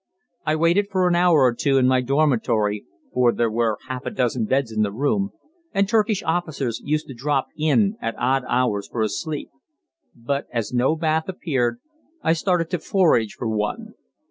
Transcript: I waited for an hour or two in my dormitory, for there were half a dozen beds in the room, and Turkish officers used to drop in at odd hours for a sleep; but as no bath appeared, I started to forage for one.